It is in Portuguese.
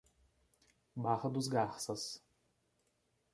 Barra do Garças